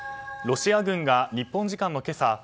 ロシア軍が日本時間のけさ